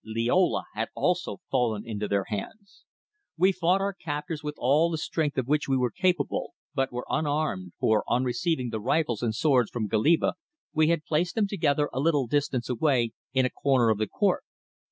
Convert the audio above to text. Liola had also fallen into their hands! We fought our captors with all the strength of which we were capable, but were unarmed, for on receiving the rifles and swords from Goliba we had placed them together at a little distance away in a corner of the court.